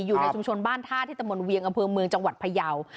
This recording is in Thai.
อยู่ในชุมชนบ้านท่าที่ตะมนต์เวียงอำเภอเมืองจังหวัดพยาว